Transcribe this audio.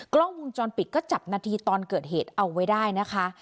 กล้องวงจรปิดก็จับนาทีตอนเกิดเหตุเอาไว้ได้นะคะ